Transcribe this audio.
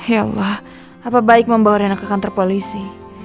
ya allah apa baik membawa renang ke kantor polisi